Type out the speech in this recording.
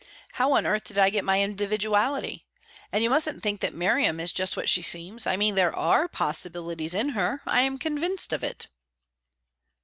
How on earth did I get my individuality? And you mustn't think that Miriam is just what she seems I mean, there are possibilities in her; I am convinced of it."